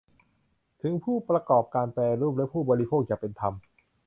ถึงผู้ประกอบการแปรรูปและผู้บริโภคอย่างเป็นธรรม